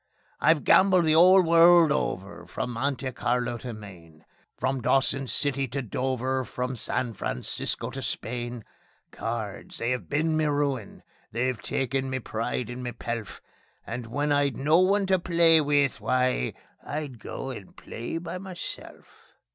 I've gambled the 'ole world over, from Monte Carlo to Maine; From Dawson City to Dover, from San Francisco to Spain. Cards! They 'ave been me ruin. They've taken me pride and me pelf, And when I'd no one to play with why, I'd go and I'd play by meself.